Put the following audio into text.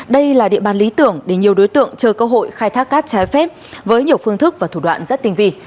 đây là địa bàn lý tưởng để nhiều đối tượng chờ cơ hội khai thác cát trái phép với nhiều phương thức và thủ đoạn rất tinh vị